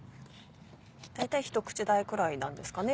大体一口大くらいなんですかね。